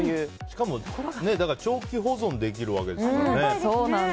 しかも長期保存できるわけですからね。